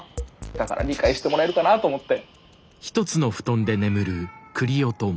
だから理解してもらえるかなと思って。